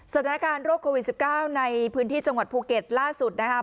สถานการณ์โรคโควิด๑๙ในพื้นที่จังหวัดภูเก็ตล่าสุดนะครับ